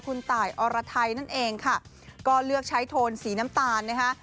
คุณตายอรไทยนั่นเองค่ะก็เลือกใช้โทนสีน้ำตาลนะคะ